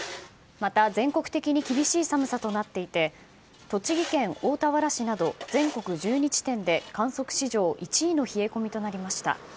また、全国的に厳しい寒さとなっていて栃木県大田原市など全国１２地点で観測史上１位の冷え込みとなりました。